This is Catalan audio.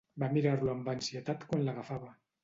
Va mirar-lo amb ansietat quan l'agafava.